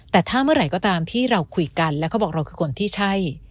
แต่ถ้าเมื่อไหร่ก็ตามที่เราคุยกันและเขาบอกเราคือคนที่ใช่